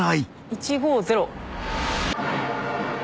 １・５・０。